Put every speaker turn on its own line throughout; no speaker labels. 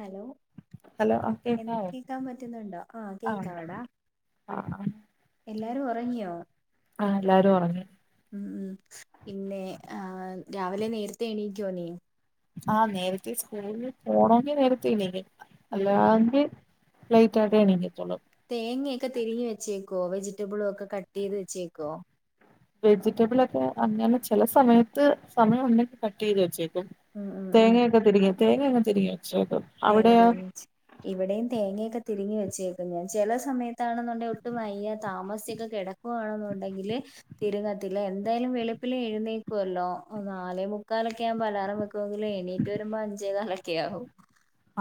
Hello
hello ആ
എ
കേക്കാവോ
കേക്കാൻ പറ്റുന്നുണ്ടോ ആഹ്
ആ
കേക്കാം അടാ എല്ലാരും ഉറങ്ങിയോ
ആഹ് എല്ലാരും ഉറങ്ങി
ഉം പിന്നെ ആഹ് രാവിലെ നേരത്തെ എണീക്കൊ നീ
ആഹ് നേരത്തെ സ്കൂളിൽ പോണമെങ്കിൽ നേരത്തെ എണീക്കും
ഉം ഉം
അല്ലാങ്കിൽ ലൈറ്റായിട്ടേ എണീക്കതുള്ളു
തേങ്ങൊക്കെ തുരുമ്പി വെച്ചേക്കോ വെജിറ്റബിളും ഒക്കെ കട്ട് ചെയ്ത് വെച്ചേക്കുവോ
വെജിറ്റബിൾ ഒക്കെ അങ്ങെ ചില സമയത്ത് സമയം ഉണ്ടെങ്കിൽ കട്ട് ചെയ്ത് വെച്ചേക്കും
ഉം ഉം ഉം
തേങ്ങൊക്കെ തിരിവി തേങ്ങയൊക്കെ തിരിവി വെച്ചോക്കും
തേങ്ങ [unintelligible] ഇവിടെയും തേങ്ങയൊക്കെ തിരിങ്ങി വച്ചേക്കും ഞാൻ ചില സമയത്തണെന്നുണ്ടെിൽ ഒട്ട് മയ്യ താമസ്യൊക്കെ കിട വാണെന്നുണ്ടെങ്കില് തിരുന്നത്തില്ല എന്തായാലും വളുപ്പിൽ എഴുന്നേക്കുമല്ലോ നാലേ മുക്കാലൊക്കെ ആവുമ്പോ ലറം വെക്കുമെിലും എണീ് റ്റു വരുമ്പോ അഞ്ചേ കാലൊക്കെ ആകും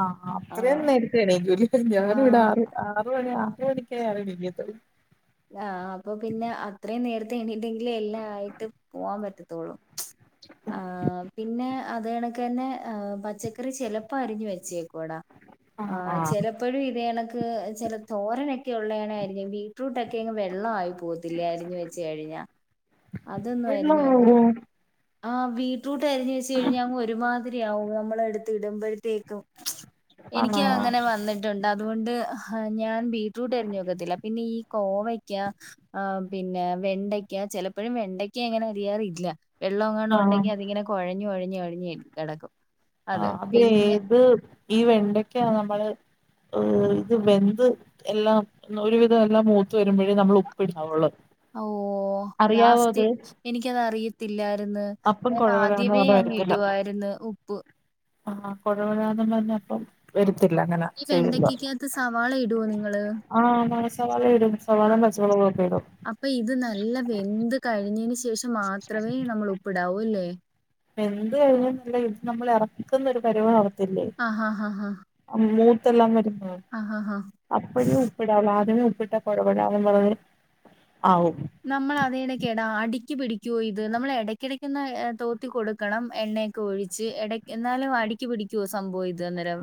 അഹ് ആ അത്രേ നേരത്തെ എണിക്കുല ഞാനും ഇവിടെ
ആ
ആർ ആർ മണി ആർ മണിക്കേ ഞാൻ എണീകത്തോള്ളു
ആഹ് അപ്പൊ പിന്നെ അത്രയും നേരത്തെ എണീണ്ടെങ്കിലിൽ എല്ലാം ആയിട്ട് പോവാൻ പറ്റത്തുള്ളൂ ആഹ് പിന്നെ അതേ കണക്കന്നെ പച്ചക്ക പച്ചക്കറി ചെലപ്പ അരിഞ്ഞു വെച്ചേക്കോടാ ആ ച എപ്പോഴും ഇത് കണക്ക് ചില തോരനൊക്കെ ഉള്ളതണായിയിരിക്കും ബീറ്റ്റൂട്ടൊക്കെ ും വെള്ളം ആയി പോത്തില്ല അരിഞ്ഞ് വെച്ച കഴിഞ്ഞ അതൊന്നും
വെള്ളം
അരിഞ്ഞ് വെക്ക
വീഴോ?
ആഹ് ബീറ്റ്റൂട്ട് അരിഞ്ഞ വെച്ച് കഴിഞ്ഞാ അങ്ങ് ഒരുമാതിരി ആവും നമ്മളടുത്ത് ഇടുമ്പോഴത്തേക്ക്
ആണോ
എനിക്ക് അങ്ങനെ വന്നിട്ട് ണ്ട് അതുകൊണ്ട് ഞാൻ ബീറ്റ്റൂട്ട് അരിഞ്ഞു വക്കത്തില്ല പിന്നെ ഈ കോവക്ക ആ പിന്നെ വെണ്ടയ്ക്ക ചിലപ്പോഴും വെണ്ടയ്ക്ക എങ്ങനെ അരിയാാറില്ല വെള്ളം എങ്ങണ
ആ
ഉണ്ടെങ്കി അതിങ്ങനെ കൊഴഞ്ഞഞ് ഒഴിഞ്ഞഞ്ഴിഞ് കിടക്കും അത്
ആഹ്
പിന്നെ
ഏത് ഈ വെണ്ടക്കാ നമ്മള് ഏ ഇത് വെന്ത് എല്ലാം ഒരു വിധം എല്ലാം മൂത്ത വരുമ്പോഴേ നമ്മൾ ഉപ്പിടാവുള്ളത്
ഓ ലാസ്റ്റ് എനിക്കത്റിയത്തില്ലായിരുന്നു
അപ്പം
ഞാൻ
കുഴവഴാന്ന്
ആദ്യമേ
പറഞ്ഞ
അങ്ങ് ഇടുവായിരുന്നു ഉപ്പ്
ആഹ് കൊഴകൊഴന്നും പറഞ്ഞ അപ്പം വരത്തില്ല അങ്ങനെ ചെയ്യുമ്പോ
ഇടോ നിങ്ങള്
ആഹ് സവാള ഇടും സവാളയും പച്ചമൊളകൊക്കെ ഇടും
അപ്പൊ ഇത് നല്ല വെന്ത് കഴിഞ്ഞതിന് ശേഷം മാത്രമേ നമ്മൾ ഉപ്പിടാവൂ അല്ലേ
എന്ത് കഴിഞ്ഞ എന്നല്ല ഇത് നമ്മൾ ഇറക്കുന്നൊ ഒരു പരിവ് ആകത്തില്ലേ
ആ ഹാ ഹാ ഹാ
മൂത്തെല്ലാം വരുമ്പോ അപ്പഴും ആദ്യമേ ഒപ്പിട്ട പുഴപെടന്ന് പറഞ്ഞത് ആവും
നമ്മൾ അതേടക്കടാ അടിക്ക് പിടിക്കോ ഇത് നമ്മൾ ഇടയ്ക്കിടയ്ക്കന്ന് തോത്തി കൊടുക്കണം എണ്ണ ഒഴിച്ച് ഇട എന്നാലും അടിക്ക് പിടിക്കുവോ സംഭവം ഇത് അന്നേരം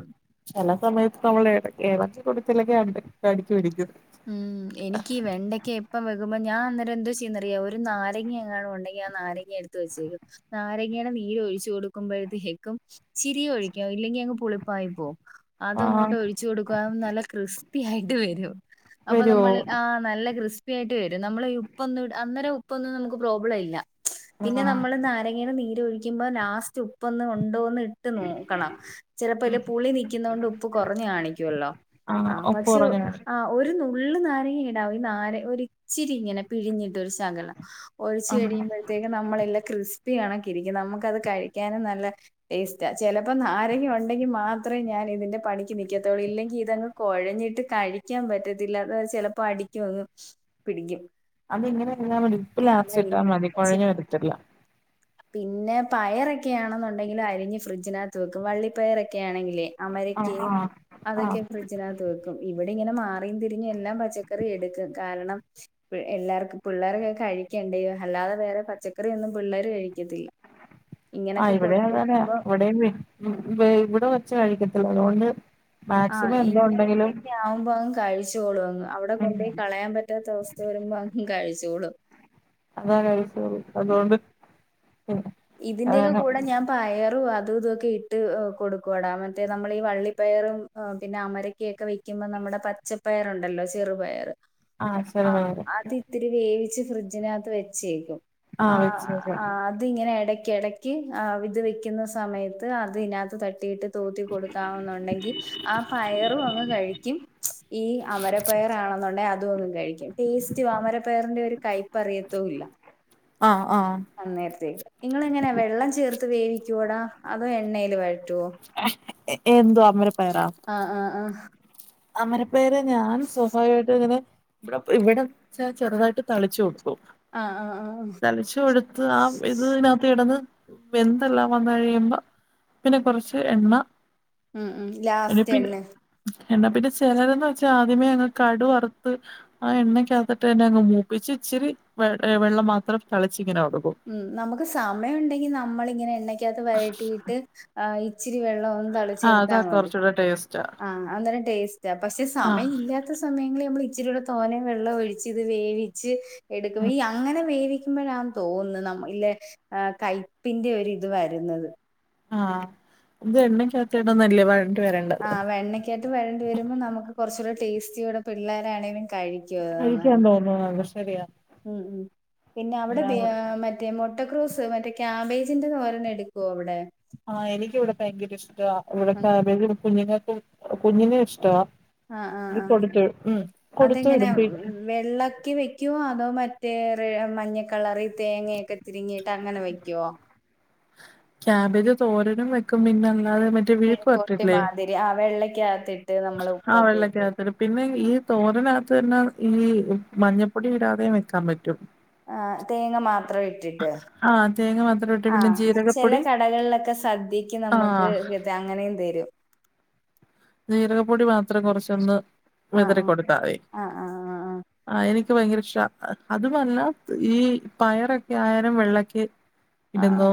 ചെല സമയത്ത് നമ്മൾ ഏളക്കി കൊടുത്തില്ലെങ്കിൽ അ അടിക്ക് പിടിക്കും
ഉം എനിക്ക് വെണ്ടയ്ക്ക എപ്പം വെകുമ്പോ ഞാൻ അന്നരം എന്താ ചെയ്യുന്നറിയാം ഒരു നാരങ്ങ എങ്ങാണ ഉണ്ടെങ്കിൽ ആ നാരങ്ങ എടുത്ത് വച്ചേക്ക നാരങ്ങണ നീര ഒഴിച്ചു കൊടുക്കുമ്പോഴത്തേെക്കും ചിരിയ ഒഴിക്കോ ഇല്ലെങ്ക പുളിപ്പായി പോവും
ആ
അതങ്ങോട്ട് ഒഴിച്ചു കൊടുക്കാ നല്ല ക്രിസ്പി ആയിട്ട് വരും അപ്പൊ
വരുവോ
നമ്മൾ ആഹ് നല്ല ക്രിസ്പിയയിട്ട് വരും നമ്മൾ ഉപ്പൊന്നും അന്നനെ ഉപ്പൊന്നും നമുക്ക് പ്രോബ്ലം ഇല്ല പിന്നെ
ആ
നമ്മള് നാരങ്ങേന നീര് ഒഴിക്കുമ്പോ ലാസ്റ്റ് ഉപ്പ് ഒന്ന് കൊണ്ടോന്ന് ഇ ഇട്ട് നോക്കണം ചിലപ്പ
ഉം
ഇല്ല പുളി നിൽക്കുന്നകൊണ്ട് ഉപ്പ് കുറഞ്ഞഞ് കാണിക്കുവല്ലോ ആ
ആഹ ഒപ്പ്
പക്ഷെ
കുറഞ്ഞ
ആ ഒരു നുള്ള് നാരങ്ങ ഇടാവും ഈ നാര ഒരു ഇച്ചിരി ഇങ്ങനെ പിഴിഞ്ഞിട്ട് ഒരു ശകല ഒഴിച്ച്
ആഹ്
കയുമ്പോഴത്തേക്കും നമ്മളെല്ലാം ക്രിസ്പി കണക്കെ ഇരിക്കും നമുക്ക്ത് കഴിക്കാനും നല്ല വേസ്റ്റ് ചെിലപ്പോ ആരെങ്കിലും ഉണ്ടെങ്കിൽ മാത്രമേ ഞാൻ ഇതിന്റെ പണിക്ക് നൽിക്കത്തോുള്ളൂ ഇല്ലെങ്കിൽ ഇതങ് കുഴഞ്ഞിട്ട് കഴിക്കാൻ പറ്റത്തില്ലത ചിലപ്പോ അടിക്കുംങ് പിടിക്കും
അതിങ്ങനെ ചെയ്താൽ മതി ഉപ്പ് ലാസ്റ്റിട്ടാൽ മതി
അതാ
കുഴഞ്ഞു വരത്തില്ല
പിന്നെ പയറൊക്കെയാണെന്നുണ്ടെങ്കിലും അരിഞ്ഞ് ഫ്രിഡ്ജിനകത്ത് വെക്കും വള്ളിപ്പയറൊക്കെ ആണെങ്കിലേ
ആഹ്
അമരിക്കയും
ആഹ് ആഹ്
അതൊക്കെ ഫ്രിഡ്ജ് കത്ത് വെക്കും ഇവിടെ ഇങ്ങനെ മാറിയും തിരിഞ്ഞ് എല്ലാം പച്ചക്കറി എടുക്കും കാരണം എല്ലാവർക്കും പിള്ളേൊക്കെ കഴിക്കണ്ടോ അല്ലാതെ വേറെ പച്ചക്കറിയൊന്നും പിള്ളേർ കഴിക്ക ത്തില്ല
ആ് ഇവിടെ അതണെയ ഇവിടെയും ഇവിടെ വച്ച് കഴിക്കത്തില്ല അതുകൊണ്ട്
ആ
മാക്സിമം എന്താ ഉണ്ടെങ്കിലും
ഇങ്ങനെയൊക്കെ ആവുമ്പോ അങ്ങ് കഴിച്ചോളും അങ്ങ് അവിടെ കൊണ്ടപോയി കളയാൻ പറ്റാത്ത അവസ്ഥ വരുമ്പോ അങ്ങ് കഴിച്ചോളും
അതാ കഴിച്ച അതുകൊണ്ട്
ഇതിന്റെയൊക്കെ
അങ്ങനെ
കൂടെ ഞാൻ പയറും അതും ഇതൊക്കെ ഇട്ട് കൊടുക്കുടാ മറ്റേ നമ്മൾീഈ വള്ളിപ്പയറും പിന്ന അമരയ്ക്കൊക്കെ വ വിക്കുമ്പോ നമ്മുടെ പച്ചപ്പയറുണ്ടല്ലോ ചെറുപയറ് ആഹ്
ആശരപയറ്
അത് ഇത്തിരി വേവിച്ച് ഫ്രിഡ്ജിനകത്ത് വെച്ചേക്കും ആഹ് ആഹ് അത് ഇതി ഇങ്ങനെ ഇടയ്ക്ക ഇടയ്ക്ക് ഇത് വെക്കുന്ന സമയത്ത് അതിനകത്ത് തട്ടിയിട്ട് തോത്തി കൊടുക്കാമെന്നുണ്ടെങ്കി ആ പയറും അങ്ങ് കഴി ക്കും ഈ അമര പയറ ആണെന്നുണ്ടെ അതും എന്നും കഴിക്കും ടേസ്റ്റും അമരപ്പയറിന്റെ ഒരു കൈ പറയത്തോ ഇല്ല
ആഹ് ആഹ്
അന്നേരത്തേക്ക് നിങ്ങള് എങ്ങനെയാ വെള്ളം ചേർത്ത് വേവിക്കു വൊടാ അതോ എണ്ണല് വഴറ്റുവോ
എന്തുവ അമര പയറാ
ആഹ് ആഹ്
അമര പയറ് ഞാൻ സ്വഭാവികമായിട്ട് ഇങ്ങനെ ഇവിടെ ഇവിടെ ചെറുതായിട്ട് തളിച്ചു കൊടുക്കും
ആഹ് ആഹ് ആഹ്
തളിച്ചു കൊടുത്ത് ആഹ് ഇത് ഇതിനകത്ത് കിടന്ന് വെന്തെല്ലാം വന്ന് കഴിയുമ്പോ പിന്നെ കൊറച്ച് എണ്ണ
ഉം ഉം ലാസ്റ്റ് എണ്ണ
എന്താ പിന്നെ ചിലരന്ന് വെച്ചാൽ ആദ്യമേ അങ്ങ് കടു വറുത്ത് ആ എണ്ണയ്ക്കകത്തിട്ട് തന്നെ അങ്ങ് മൂപ്പിച്ച് ഇച്ചിരി വെ വെള്ളം മാത്രം തളിച്ച് ഇങ്ങനെ കൊടുക്കും
ഉം നമുക്ക് സമയം ഉണ്ടെങ്കിൽ നമ്മള് ഇങ്ങനെ എണ്ണക്കകത്ത് വഴട്ടിയിട്ട് ആഹ് ച്ചിരി വെള്ളം തളി
ആഹ് അതാ കുറച്ചൂടെടേസ്റ്റ്
ആഹ് അന്നേരം ടേസ്റ്റ് പക്ഷെ
ആ
സമയം ഇല്ലാ ത്തെ സമയങ്ങളിൽ നമ്മള് ഇച്ചിരൂടെ തോനെ വെള്ളം ഒഴിച്ച് ഇത് വേവിച്ച് എടുക്കും ഈ അങ്ങനെ വേവി മ്പോഴാന്ന് തോന്നുന്നു നമ്മ ഇല്ലെ കയപ്പിന്റെ ഒരുരിത് വരുന്നത്
ആഹ് ഇത് എണ്ണയ്ക്കകത്ത് കിടന്നല്ലേ വഴ
ആഹ് വെണ്ണയ്ക്കാത്ത് വഴണ്ട് വരുമ്പോൾ നമുക്ക് കുറച്ചുകൂടി ടേസ്റ്റിയോടെ പിള്ളേരാണെലും കഴി
കഴിക്കാൻ
[unintelligible]
തോന്നുന്നത് ശരിയാ
ഉം പിന്നെ അവിടെ മറ്റേ
അതാണ്
മറ്റേ മൊട്ടക്രൂസ് മറ്റേ ക്യാബേജിന്റെ തോരന് എടുക്കുവോ ഇവിടെ
ആഹ് എനിക്കിവിടെ ഭയങ്കര ഇഷ്ടവ കൂടെ കാബേജ് കുഞ്ഞുങ്ങൾക്കും കുഞ്ഞിനും ഇഷ്ടവ
ആ ആ
അത്
ആ
കൊടുത്തു ഉം കൊടുത്തു
അതെങ്ങനെ
വിടും
വെള്ളക്കി വെക്കുവോ അതോ മറ്റേ മഞ്ഞ കളറി തേങ്ങയൊക്കെ തിരിമ്മീട്ട് അങ്ങനെ വെക്കുവോ
ക്യാബേജ് തോരനും വെക്കും പിന്നെ അല്ലാതെ മറ്റേ മെഴുക്ക് വറട്ടില്ലേ
ആഹ് വെള്ളക്കകത്ത്
ആഹ് വെള്ളക്കകത്തിടും പിന്നെ ഈ തോരനകത്ത് തന്നെ ഈ മഞ്ഞപ്പൊടി ഇടാതെയും വെക്കാൻ പറ്റും
ആഹ് തേങ്ങ മാത്ര ഇട്ടിട്ട്
ആഹ് തേങ്ങ മാത്രം ഇട്ട് പിന്നെ
ആഹ് ചില
ജീരകപ്പൊടി
കടകളിലൊക്കെ സദ്യക്ക് നമുക്ക്
ആഹ്
ഇത് അങ്ങനെയും തരും
ജീരകപ്പൊടി മാത്രം കുറച്ചൊന്ന്
ആ
വിതറി
ആ
കൊടുത്താതി
ആ ആ ആ ആ
ആഹ് എനിക്ക് ഭയങ്കര ഇഷ്ട അതുമല്ല ഈ പയറൊക്കെ ആയാലും വെള്ളക്ക്
ആ ആ
ഇടുന്നോ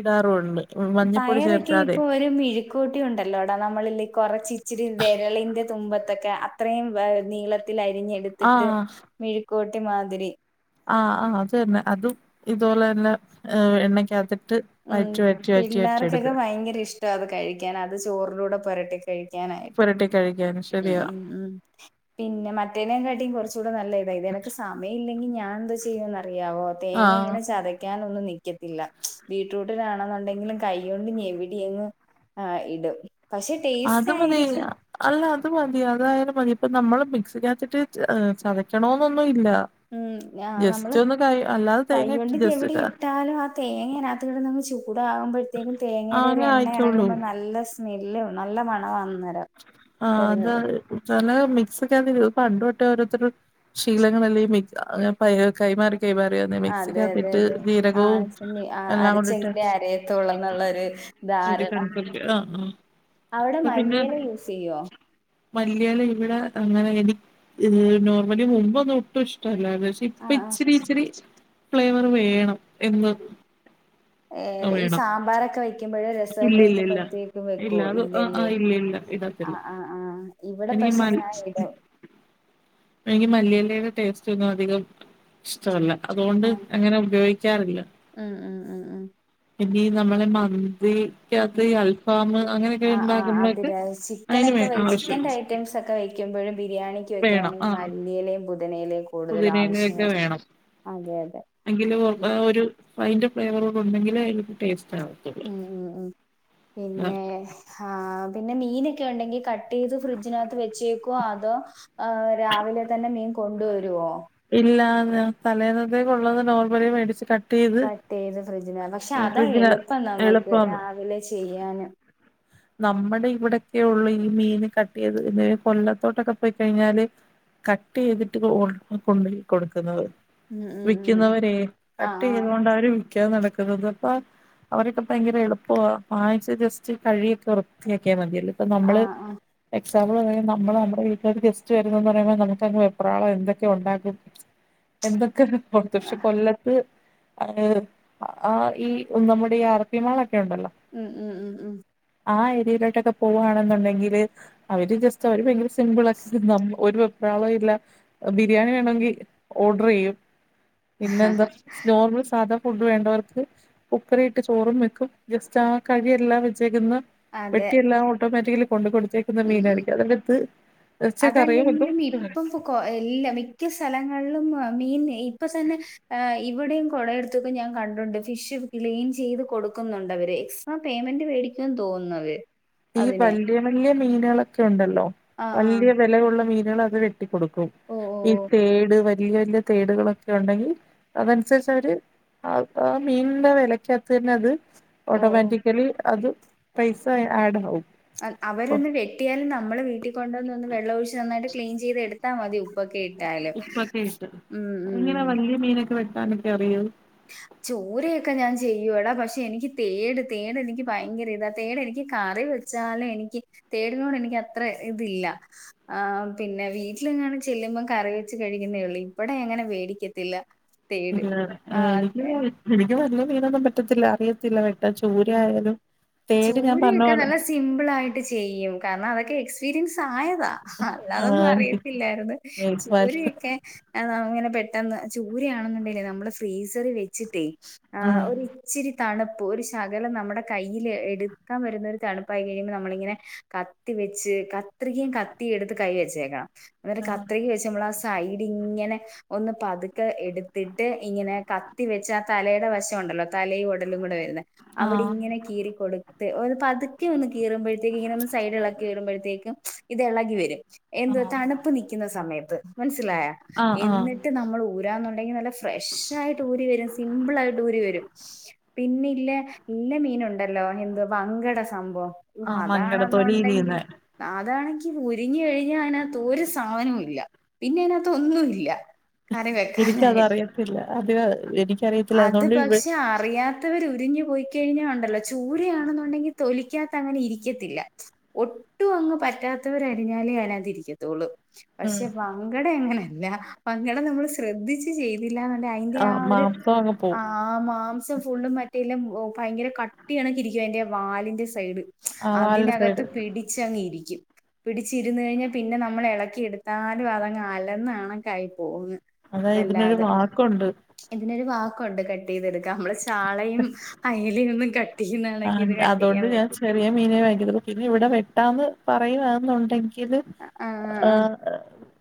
ഇടാറുണ്ട് മഞ്ഞപ്പൊടി
പയറൊക്കെ
ചേർക്കാതെ
ഇപ്പൊ ഒരു മിഴുക്കോട്ടി ഉണ്ടല്ലോ ടാ നമ്മള് ല്ലേ കൊറച്ച് ഇച്ചിരി വെരളിന്റെ തുമ്പത്തൊക്കെ അത്രയും നീളത്തിൽ അരിഞ്ഞെടുത്തിട്ട്
ആഹ്
മിഴുക്കോട്ടി മാതിരി
ആഹ് ആഹ് അതന്നെ അതും ഇതുപോലെ തന്നെ എണ്ണക്കാത്തിട്ട്
ഉം പിള്ളേർക്കേക്കെ ഭയങ്കര ഇഷ്ട അത് കഴിക്കാൻ അത് ചോറിലൂടെ പുരട്ടി കഴിക്കാനായി
ട്ടി കഴിക്കാണ്
ഉം ഉം ഉം
[inaudible]
പിന്നെ മറ്റേനെ കാട്ടിയും കുറച്ചും കൂടെ നല്ല ഇതാ ഇത് എനക്ക് സമയില്ലെങ്കി ഞാൻ എന്തോ ചെയ്യുമന്ന് അറിയാവോ തേങ്ങ
ആഹ്
ഇങ്ങനെ ചതക്ക കക്കാന ഒന്നും നിക്കത്തില്ല ബീട്റൂട്ടിലാണെന്നുണ്ടെങ്കിലും കൈകൊണ്ട് ഞെവിടി എങ്ങ് ആഹ് ഇടും പക്ഷെ
അത് മതി
ആയിരിക്കും
അല്ല അത് മതി അതായാലും മതി ഇപ്പ നമ്മള് മിക്സി കാത്തിട്ട് ചതക്കണന്നൊന്നും ഇല്ല ജസ്റ്റ് ഒന്ന് ക അല്ലാതെ തേങ്ങ
കൈയൊണ്ട്
ഇട്ട് ജസ്റ്റ്
ഞവിടി ഇട്ടാലും ആഹ് തേങ്ങ അതിനകത്ത് കിട്ട് നമ്മക്ക് ചൂടാകുമ്പോഴ [unintelligible]
ആ
തേങ്ങയുടെ ഒരു
അങ്ങ്
എണ്ണ
ആയിക്കോളൂ
ഇറങ്ങുമ്പോൾ നല്ല സ്മെല്ലും നല്ല മണ അന്നാരം
ആഹ് അത് ല്ല മിക്സ് ഒക്ക പണ്ട് തൊട്ടേ ഓരോരുത്തരു ശീലങ്ങളല്ലേ കൈമാറി കൈമാറിയന്ന
അതെ അതെ
മിക്സിക്കത്തിട്ട്
അതെ
ജീരകവും
ആഹ്
എല്ലാം കൊണ്ടിട്ട്
അരച്ചെങ്കിലേ അരയത്തുള്ളന്നുള്ളൊരു ധാരണ
[unintelligible] ആഹ് ആഹ്
അവിടെ മല്ലിയില യൂസ് ചെയ്യോ
മല്ലയല ഇവിടെ അങ്ങനെ എനി ഇത് നോർമലി മുമ്പൊ ഒ ഒട്ടും ഇഷ്ട അല്ല അ ഇപ്പ
ആഹ് ആഹ്
ഇച്ചിരി ഇച്ചിരി ഫ്ലേവർ വേണം എന്ന്
ഏഹ് ഈ
വേണം
സാമ്പാറൊക്കെ വെക്കുമ്പോഴ് രസമൊക്കെ
ഇല്ലല്ലല്ല
വെക്കുമ്പോഴത്തേക്കും
ഇല്ല
വെക്കുവോ
അത്
ഇല്ലല്ലേ
ആഹ് ഇല്ല ഇല്ല ഇത്
ആഹ്
[unintelligible]
ആഹ് ഇവിടെ പക്ഷെ ഞാൻ ഇടും
എനിക്ക് മല്ലിയല്ലയുടെ ടേസ്റ്റ് ഒന്നും അധികം ഇഷ്ടമല്ല അതുകൊണ്ട്
ആ
അങ്ങനെ ഉപയോഗിക്കാറില്ല
ഉം ഉം ഉം ഉം
ഇനി നമ്മളെ മന്ത് ഈ അൽഫാം അങ്ങനെയൊക്കെ
ആഹ് ആഹ്
ഉണ്ടാക്കുന്നതൊക്കെ
അതിര ചിക്കനൊക്കെ
അതിന്
വെ
ആവശ്യ
ചിക്കന്റെ ഐറ്റംസ് ഒക്കെ വക്കുമ്പഴും ബിരിയാണിക്കുമൊക്കെയാണ് മല്ലിയിലേും പുതീനേയിലേും
പുതിനേനൊക്കെ വേണം
അതെ
എങ്കും
ഉം
ഒരു അതിന്റെ ഫ്ലേവറോട് ഉണ്ടെങ്കിൽ അതിലക്ക് ടേസ്റ്റ് ആവത്തുള്ളൂ
ഉം ഉം
ആഹ്
പിന്നെ ആഹ് പിന്നെ മീനൊക്കെ ഉണ്ടെങ്കി കട്ട് ചെയ്ത് ഫ്രിഡ്ജിനകത്ത് വെച്ചേക്കോ അതോ ആഹ് രാവിലെ തന്നെ മീൻ കൊണ്ടുവരുവോ
ഇല്ല തലേന്നത്തകൊള്ളന്ന് നോർമല മേടിച്ച് കട്ട് ചെയ്ത്
കട്ട് ചെയ്ത് ഫ്രിഡ്ജിന പക്ഷെ അതാ
ഫ്രിഡ്ജിന്
എളുപ്പം നമുക്ക് രാവിലെ ചെയ്യാനും
ഉ നമ്മുടെ ഇവിടെക്കെയ ഉള്ള ഈ മീൻ കട്ടിയത് ഇ കൊല്ലത്തോട്ടൊക്കെ പോയിക്കഴിഞ്ഞാല് കട്ട് ചെയ്തിട്ട് ഓ കൊണ്ടയി കൊടുക്കുന്നത്.
ഉം ഉം ഉം
വിൽക്കുന്നവരെ കട്ട്
ആഹ്
ചെയ്ത
ആഹ്
കൊണ്ട് അവര് ക്യാ നടക്കുന്നത് അപ്പ അവരക്കെ ഭയങ്കര എളുപ്പ വാങ്ങിച്ച് ജസ്റ്റ് കഴിയൊക്കെ വൃത്തിയാക്കിയാൽ മതിയല്ലേ ഇപ്പ നമ്മള്
ആഹ്
[unintelligible] നമ്മളെ നമ്മുടെ വീട്ടിൽ ഗസ്റ്റ് വര എന്ന് പറയ്പ നമുക്കങ് വെപ്രാള എന്ത കെ ഉണ്ടാകും എന്തൊക്കെയ പക്ഷെ
ആഹ്
കൊല്ലത്ത് അഹ് ആ ഈ നമ്മുടെ ഈ അറബി മാളൊക്കെ ഉണ്ടല്ലോ
ഉം ഉം ഉം ഉം
ആ ഏരിയയിലോട്ടൊക്കെ പോവാണെന്നുണ്ടെങ്കില് അവര് ജസ്റ്റ് അവർ ഭയങ്കര സ് സിമ്പിളക്കെ നം ഒരു വെപ്രാളവും ഇല്ല ബിരിയാണി വേണമെങ്കിൽ ഓർഡർ ചെയ്യും. പിന്നെന്താ നോർമൽ സാധാ ഫുഡ് വേണ്ടവർക്ക് കുക്കറിയിട്ട് ചോറും വെക്കും ജസ്റ്റ് ആ കഴിയെല്ല വെച്ചേക്ക്ന്ന
അതെ
വെട്ടിയെല്ലാം ഓട്ടോമാറ്റിക്കലി കൊണ്ട കൊടുത്തേ ുന്ന
ഉം ഉം
മീനായിരിക്കും അതെന്റെ ത്
അതല്ലെങ്കിലും ഇപ്പം
[unintelligible]
പൊ കൊ എല്ലാ മിക്ക സ്ഥലങ്ങളിലും മീയിൻ ഇപ്പൊ തന്നെ ഏഹ് ഇവിടം കൊളെടുത്ത് ഒക്കെ ഞാൻ കണ്ടുണ്ട് ഫിഷ് ക്ലീൻ ചെയ്ത് കൊടുക്കുന്നുണ്ട് അവര് എസ് ആഹ് പേയ്മെന്റ് വേടിക്കുംന്ന് തോന്ന്ന്നവര്
ഈ വല്യയ വല്യയ മീനെളൊക്കെ ഇണ്ടല്ലോ
ആഹ് ആഹ്
വല്യയ വെലയുള്ള മീനേള് അത് വെ ട്ടി കൊടുക്കും
ഓ ഓ
ഈ തേട് വല്യയ വല്യയ തേടുകളൊക് ഉണ്ടെങ്കിൽ അതനുസരിച്ച് അവര് അത് ആ ആ മീനിന്റെ വിലയ്ക്കകത്ത് തന്നെ അത്
ഓ ഓ ഓ
ഓട്ടോമാറ്റിക്കലി അത് പൈസ എ ആഡാവും.
അഹ് അവരൊന്ന് വെട്ടിയാൽ നമ്മള് വീട്ടി കൊണ്ടൊന്ന് ഒന്ന് വെള്ളം ഒഴിച്ച് നന്നായിട്ട് ക്ലീൻ ചെയ്ത് എടുത്താൽ മതി. ഉപ്പോകെയിട്ട
ഉപ്പൊക്കെയിട്ട്. ഇങ്ങനെ വല്യയ മീനൊക്കെ വെട്ടാനൊക്കെ അറിയോ?
ചൂരൊക്കെ ഞാൻ ചെയ്യൂടാ പക്ഷെ എനിക്ക് തേട് തേട് എനിക്ക് ഭയങ്കര ഇതാ തേടെനിക്ക് കറിവെ ച്ചാല് എനിക്ക് തേടിനോട് എനിക്കത്ര ഇതില്ല ആഹ് പിന്നെ വീട്ടിലെങ്ങാന് ചെല്ലുമ്പ കറി വെച്ച് കഴിക്കുന്നേ ഉള്ളൂ ഇവ്വടെ ഞാൻ അങ്ങനെ വേടിക്കത്തില്ല
ഇല്ല എനിക്ക് എനിക്ക് വല്ല്യ മീനൊന്നും പറ്റത്തില്ല ആദ്‌യെ ത്തില്ല വെട്ടാൻ ചൂര
ആ
ആയാലും തേട് ഞാൻ പർഞ്ഞ പോലെ
സിംപിൾ ആയിട്ട് ചെയ്യും കാരണം അതൊക്കെ എക്സ്പീരിയൻസ് ആയതാ
ആ
അല്ലാതൊന്നും
ആഹ്
അറിയത്തില്ലായിരുന്നു
ആഹ്
ചൂരയൊക്കെ അതാവുമ്പങ്ങനെ പെട്ടെന്ന് ചൂരയാണെന്നുണ്ടേല് നമ്മള് ഫ്രീസറിൽ വെച്ചിട്ടേ ആഹ് ഒരിച്ചിരി തണുപ്പ് ഒരിഷ് ശകലം നമ്മുടെ കയ്യിൽ എടുക്കാൻ വരുന്ന ഒരു തണുപ്പായി കഴിയുമ്പോൾ നമ്മളിങ്ങനെ കത്തി വെച്ച് ക ത്രികയും കത്തി എടുത്ത് കൈ വെച്ചേക്കണം എന്നട്ട് കത്രിക വെച്ച് നമ്മൾ ആ സൈഡിങ്ങനെ ഒന്ന് പതുക്കെ എടുത്തിട്ട് ഇങ്ങനെ കത്തി വെച്ച് ആ തലയുടെ വശണ്ടല്ലോ തലയും ഉടലും കൂടെ വരുന്ന അവിടെ ഇങ്ങനെ കീറിക്കൊടുത്ത് ഒരു പ തുക്കെന്ന് കീറുമ്പോഴത്തേക്ക് ഇങ്ങനെന്ന് സൈഡ്ളക്കി വരുമ്പോഴത്തേക്കും ഇത് ഇളകി വരും എന്ത്
ആഹ്
തണു പ്പ് നിൽക്കുന്ന സമയത്ത് മൻസ്സിലായോ?
ആഹ് ആഹ്
എന്നി ട്ട് നമ്മൾ ഊരാന്നുണ്ടെങ്കിൽ നല്ല ഫ്രഷായിട്ട് ഊരി വരും സിമ്പിൾ ആയിട്ട് ഊരി വരും പിന്നില്ലെ ഇല്ല മീന് ഉണ്ടല്ലോ എന്ത വങ്കട സംഭവം ഹു
ആഹ് മങ്കട തൊലി
അതാണെന്നുണ്ടെങ്കിൽ
ഇരിയുന്നെ
അതാണങ്കി ഉരിഞ്ഞ്കഴിഞ്ഞ അയ്നകത്ത് ഒരു സാധനവും ഇല്ല പിന്നെ അയിനകത്തൊന്നും ഇല്ല
എനിക്കതറിയത്തില്ല അത് എനിക്കറിയത്തില്ല അതുകൊണ്ട് ഇവ്
അറിയാത്തവർ ഉരിഞ്ഞു പോയി കഴിഞ്ഞാ ഉണ്ടല്ലോ ചൂരയാണെന്നുണ്ടെങ്കിൽ തൊലിക്കാ തെ അങ്ങനെ ഇരിക്കത്തില്ല. ഒട്ടും അങ്ങ് പറ്റാത്തവരരിഞ്ഞാലേ അയനകത്ത് ഇരിക്കത്തുള്ളു
ഉം
പക്ഷെ പങ്കട അങ്ങനെല്ല പങ്കട നമ്മള് ശ്രദ്ധിച്ച് ചെയ്തില്ലാന്ന്ണ്ടെ അയ്ന്റെ ആ ഒര്
[unintelligible] പോവും.
ആ മാംസം ഫുള്ളും മറ്റേയെല്ലാം ഭയങ്കര കട്ടിയാണങ്കിലിരിക്കും അയ്ൻ്റെ വാലിൻ്റെ സൈഡ്
ആ വാലിന്റെ
അതിനകത്ത്
സൈഡ്
പിടിച്ചങ്ങിരിക്കും. പിടിച്ചിരുന്ന് കഴിഞ്ഞാ പിന്നെ നമ്മള് എളക്കി എടുത്താലും അതങ്ങ് അലന്നാണഴുക്കായി പോകുംന്ന് വല്ലാതെ
കൊണ്ട്.
ഇതിനൊരു വാക്കുണ്ട് കട്ടെയ്തെടുക്ക നമ്മളെ ചാളയും അയലെയൊന്നും കട്ട് ചെയ്യുന്ന കണക്ക് ഇത്
ആഹ്
കട്ട്
അതോണ്ട്
ചെയ്യാൻ
ഞാൻ
പറ്റില്ല
ചെറിയ മീനെ വാങ്ങികത്തൊള്ളു. പിന്നെ ഇവിടെ വെട്ടാന്ന് പറയുവാന്നുണ്ടെങ്കില് ആഹ്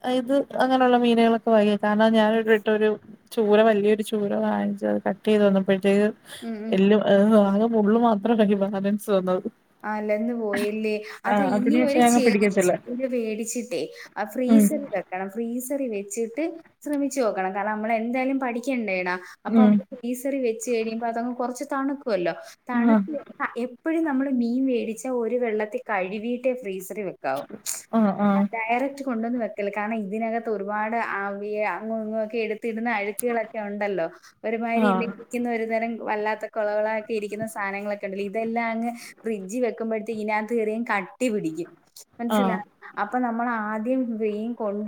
ആഹ് ഇത് അങ്ങനെയുള്ള മീനുകളൊക്കെ വാങ്ങിക്കും. കാരണം ഞാൻ വെ വെട്ടൊരു ചൂര വലിയൊരു ചൂര വാങ്ങിച്ച് അത് കട്ടെയ്തു വന്നപ്പോഴ്ത്തേക്ക്
ഉം ഉം
എല്ലും ഏഹ് ആകെ മുള്ള് മാത്രമായ് ബാലൻസ് വന്നത്.
ആഹ് അലന്ന് പോയില്ലേ.
ആ
അതാ ഇനി
അതിന്
ഒരു
ശേഷം ഞങ്ങ
ചെറിയ
പിടിക്കത്തില്ല
ചൂര മേടിച്ചിട്ടേ ആഹ്
ഉം
ഫ്രീസറില് വെ ക്കണം ഫ്രീസറി വെച്ചിട്ട് ശ്രമിച്ചോക്കണം, കാരണം നമ്മള് എന്തായാലും പഠിക്കണ്ടേടാ അപ്പം
ഉം
നമ്മള് ഫീസറി വെച്ച് കഴിയുമ്പോ അതങ്ങ് കൊറച്ച് തണുക്കുവല്ലോ
ആ
തണുത്ത് ആഹ് എപ്പഴും നമ്മള് മീൻവേടിച്ച ഒര് വെള്ളത്തിൽ കഴുകിട്ടേ ഫ്രീസറിൽ വെക്കാവും.
ആ ആ
ആഹ് ഡയറക്റ്റ് കൊണ്ടന്ന് വെക്കല്ലേ കാരണം ഇതിനകത്ത് ഒരുപാട് അവിയ അങ്ങു ഇങ്ങുക്കെ എടുത്തിടുന്ന അഴുക്കു കളൊക്കൊ ഉണ്ടല്ലോ
ആ
ഒരുമാതിരി ഇരിക്കുന്ന ഒരുതരം വല്ലാത്ത കുളകുളാക്കെ ഇരിക്കുന്ന സാധനങ്ങളൊക്കെണ്ടല്ലോ ഇതെല്ലാം അങ്ങ് ഫ്രിഡ്ജ് വെക്കുമ്പോ ഇഴ്നാകത്ത് കയറിയങ്ങ് കട്ടി പിടിക്കും
ആ
മനസ്സിലാ അപ്പൊ നമ്മള് ആദ്യം മീൻ കൊണ്ട്